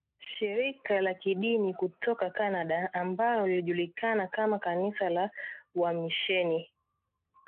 Shirika la Kidini kutoka Canada ambalo lilijulikana kama kanisa la wamisheni